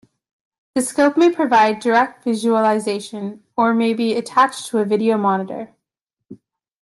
The scope may provide direct visualization or may be attached to a video monitor.